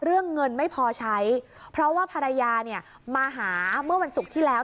เรื่องเงินไม่พอใช้เพราะว่าภรรยาเนี่ยมาหาเมื่อวันศุกร์ที่แล้ว